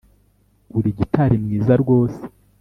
Uri gitari mwiza rwose